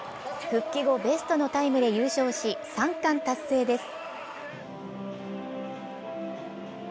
復帰後ベストのタイムで優勝し、３冠達成です。